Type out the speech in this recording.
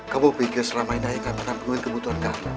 kamu pikir selama ini ayah gak akan mengambil kebutuhan kamu